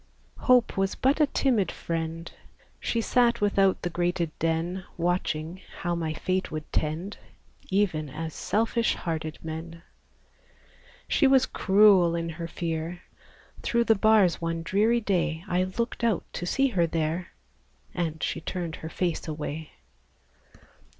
Hope Was but a timid friend; She sat without the grated den, Watching how my fate would tend, Even as selfish hearted men. She was cruel in her fear; Through the bars one dreary day, I looked out to see her there, And she turned her face away!